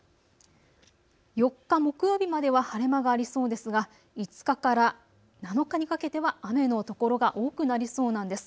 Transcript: ４日木曜日までは晴れ間がありそうですが５日から７日にかけては雨の所が多くなりそうなんです。